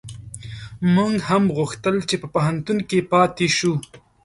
موږ هم غوښتل چي په پوهنتون کي پاته شو